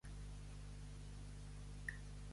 Ser un cícero.